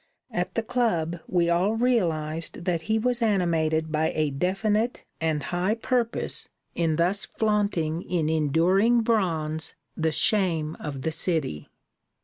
At the club we all realized that he was animated by a definite and high purpose in thus flaunting in enduring bronze the shame of the city.